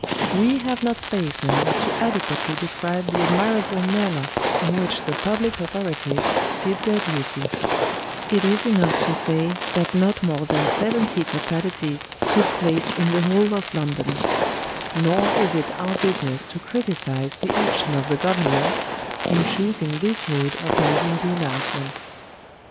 We have not space now to adequately describe the admirable manner in which the public authorities did their duty; it is enough to say that not more than seventy fatalities took place in the whole of London; nor is it our business to criticise the action of the Government, in choosing this mode of making the announcement.